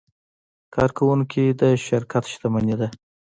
کارکوونکي د شرکت شتمني ده.